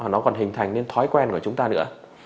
mà nó còn hình thành nên thói quen của chúng ta nữa